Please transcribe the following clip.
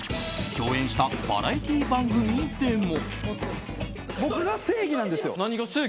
共演したバラエティー番組でも。